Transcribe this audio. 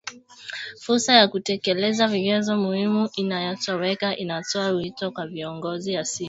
Fursa ya kutekeleza vigezo muhimu inayotoweka, inatoa wito kwa viongozi hasimu kufikia maridhiano yanayohitajika